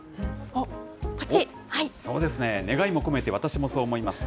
そうですね、願いも込めて私もそう思います。